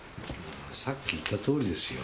さっき言ったとおりですよ。